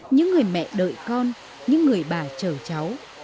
những người mẹ đợi con những người bà trở cháu